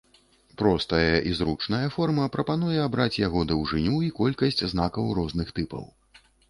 Простая і зручная форма прапануе абраць яго даўжыню і колькасць знакаў розных тыпаў.